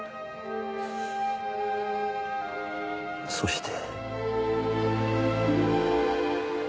そして。